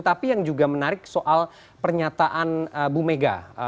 tapi yang juga menarik soal pernyataan bu mega